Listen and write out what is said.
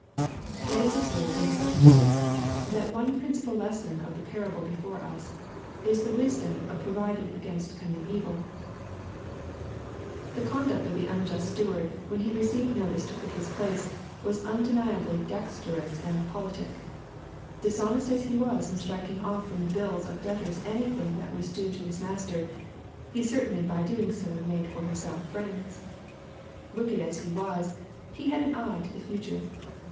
Let us observe, in the second place, that one princi pal lesson of the parable before us, is the wisdom of providing against coming evil. The conduct of the unjust steward, when he received notice to quit his place, was undeniably dexterous and politic. Dishonest as he was in striking off from the bills of debtors anything that was due to his master, he certainly by so doing made for himself friends. Wicked as he was, he had an eye to the future.